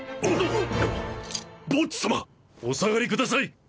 お下がりください！